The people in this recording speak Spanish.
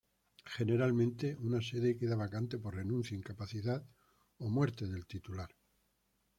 Generalmente una sede queda vacante por renuncia, incapacidad o muerte del titular.